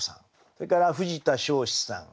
それから藤田湘子さん。